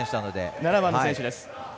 ７番の選手です。